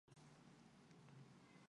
脊柱裂为一种。